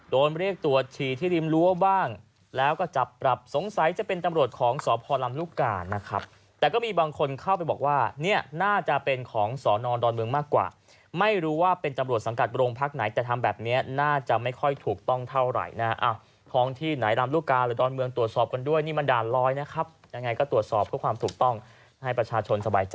โดนเรียกตรวจฉีที่ริมรั้วบ้างแล้วก็จับปรับสงสัยจะเป็นจำรวจของสพรรณลุกานะครับแต่ก็มีบางคนเข้าไปบอกว่านี่น่าจะเป็นของสนดอนเมืองมากกว่าไม่รู้ว่าเป็นจำรวจสังกัดโรงพรรคไหนแต่ทำแบบนี้น่าจะไม่ค่อยถูกต้องเท่าไหร่นะอ่ะท้องที่ไหนดอนเมืองตรวจสอบกันด้วยนี่มันด่านร้อยนะครับยังไงก